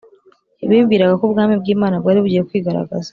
bibwiraga ko ubwami bw Imana bwari bugiye kwigaragaza